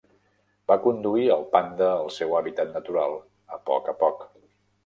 Va conduir el panda al seu hàbitat natural a poc a poc.